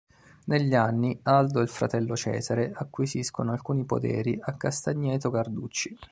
Negli anni, Aldo e il fratello Cesare acquisiscono alcuni poderi a Castagneto Carducci.